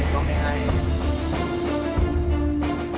มีชีวิตที่สุดในประโยชน์